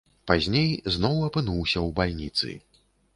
Пазней зноў апынуўся ў бальніцы.